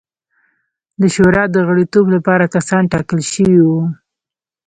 د شورا د غړیتوب لپاره کسان ټاکل شوي وو.